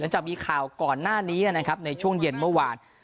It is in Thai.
จากมีข่าวก่อนหน้านี้นะครับในช่วงเย็นเมื่อวาน